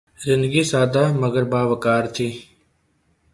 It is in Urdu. زندگی سادہ مگر باوقار تھی